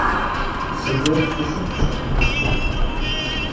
Зыгуэр щыщыӀэщ абы…